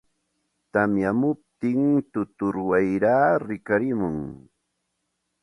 tamyamuptin tutur wayraa rikarimun.